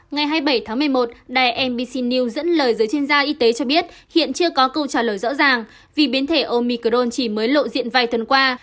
ngày hai mươi bảy tháng một mươi một đài mbc news dẫn lời giới chuyên gia y tế cho biết hiện chưa có câu trả lời rõ ràng vì biến thể omicron chỉ mới lộ diện vài tuần qua